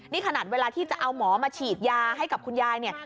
นี่ขนาดเวลาที่จะเอาหมอมาฉีดยาให้กับคุณยายเนี่ย